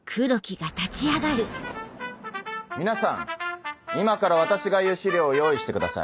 皆さん今から私が言う資料を用意してください。